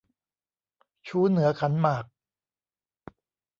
ชู้เหนือขันหมาก